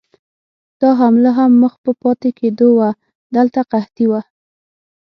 دا حمله هم مخ په پاتې کېدو وه، دلته قحطي وه.